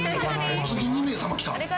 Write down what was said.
お次２名様来た。